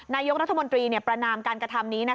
นายกรัฐมนตรีประนามการกระทำนี้